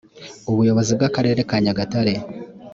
ubuyobozi bw’akarere ka nyagatare